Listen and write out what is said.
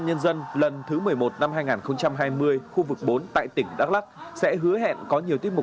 tham gia hội diễn lần này